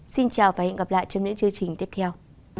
xin chào và hẹn gặp lại trong những chương trình tiếp theo